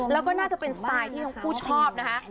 แล้วก็น่าจะเป็นสไตล์ที่ทั้งคู่ชอบนะคะ